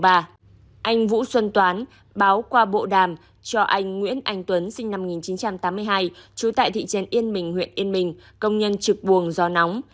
anh vũ xuân toán báo qua bộ đàm cho anh nguyễn anh tuấn sinh năm một nghìn chín trăm tám mươi hai trú tại thị trấn yên bình huyện yên minh công nhân trực buồng do nóng